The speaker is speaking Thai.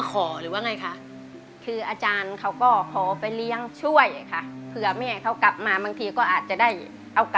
คิดถึงหรือไม้ลูก